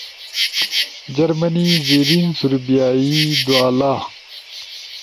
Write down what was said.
جرمنی، زیرین سوربیائی، دُآلا